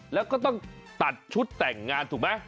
แล้วก็ต้องตัดชุดแต่งงานถูกไหม